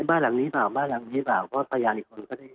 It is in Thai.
ขออภัยนะคะเนื่องจากสัญญาณเราไม่ชัดเจนจริง